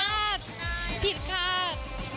เพราะคิดว่าฝรั่งอาจผิดฆาต